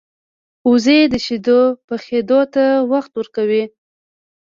وزې د شیدو پخېدو ته وخت ورکوي